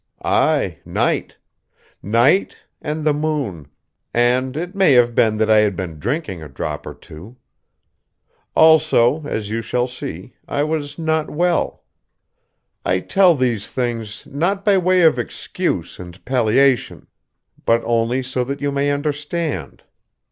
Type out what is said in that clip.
"Aye, night. Night, and the moon; and it may have been that I had been drinking a drop or two. Also, as you shall see, I was not well. I tell these things, not by way of excuse and palliation; but only so that you may understand.